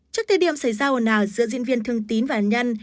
trước thời điểm xảy ra hồn hảo giữa diễn viên thương tín và nhân